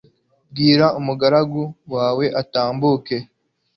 bwira umugaragu wawe atambuke